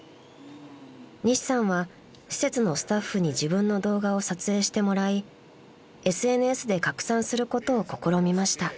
［西さんは施設のスタッフに自分の動画を撮影してもらいＳＮＳで拡散することを試みました］